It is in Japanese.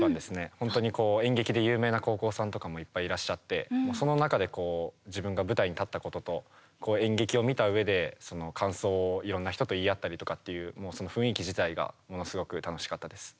本当に演劇で有名な高校さんとかもいっぱいいらっしゃってその中で自分が舞台に立ったことと演劇を見た上でその感想をいろんな人と言い合ったりとかっていう雰囲気自体がものすごく楽しかったです。